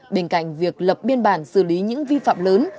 bên cạnh việc lập biên bản xử lý những vi phạm lớn